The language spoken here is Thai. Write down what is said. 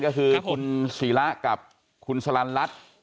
ก็คือคุณศรีละกับคุณสรรรณรัฐ